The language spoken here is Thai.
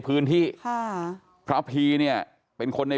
เมื่อยครับเมื่อยครับ